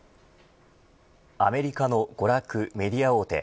アメリカの娯楽、メディア大手